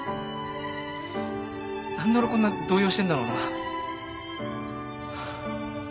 何で俺こんな動揺してんだろうな。